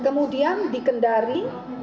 kemudian di kendari